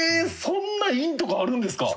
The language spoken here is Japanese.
そんな韻とかあるんですか。